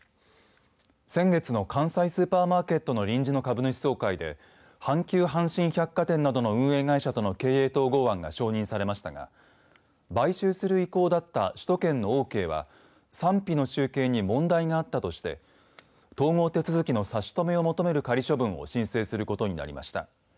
先月の関西スーパーマーケットの臨時の株主総会で阪急阪神百貨店などの運営会社との経営統合案が承認されましたが買収する意向だった首都圏のオーケーは賛否の集計に問題があったとして統合手続きの差し止めを求める仮処分を申請することになりました。